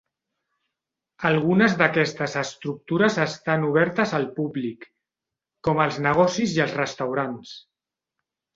Algunes d"aquestes estructures estan obertes al públic, com els negocis i els restaurants.